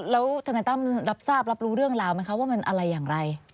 แล้วธนายตั้มรับทราบรับรู้เรื่องราวไหมคะว่ามันอะไรอย่างไร